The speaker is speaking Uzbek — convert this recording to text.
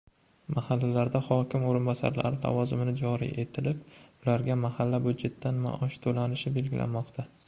Mahallalarda hokim o‘rinbosari lavozimi joriy etilib, ularga mahalla byudjetidan maosh to‘lanishi belgilanmoqda.